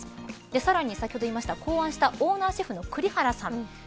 さらに先ほど言いました考案したオーナーシェフの栗原さん